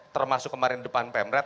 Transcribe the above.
termasuk kemarin depan pemret